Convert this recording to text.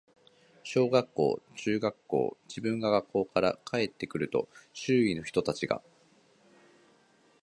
小学校、中学校、自分が学校から帰って来ると、周囲の人たちが、